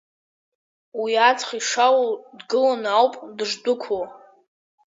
Уи аҵх ишалоу дгыланы ауп дышдәықәло.